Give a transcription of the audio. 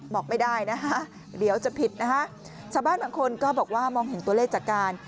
บอกไม่ได้นะคะเดี๋ยวจะผิดนะคะชาวบ้านบางคนก็บอกว่ามองเห็นตัวเลขจากการ